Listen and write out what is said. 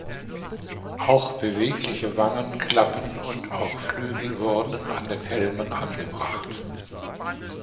Auch bewegliche Wangenklappen und auch Flügel wurden an den Helmen angebracht.